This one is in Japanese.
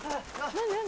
何何？